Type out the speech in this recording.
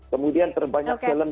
kemudian terbanyak film